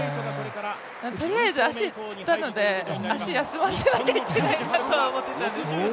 とりあえず足、つったので足休ませなきゃいけないなと思ってたので。